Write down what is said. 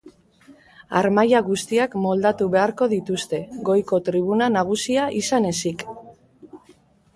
Harmaila guztiak moldatu beharko dituzte, goiko tribuna nagusia izan ezik.